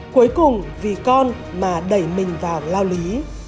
cuối cùng vì con mà đẩy mình vào lao lý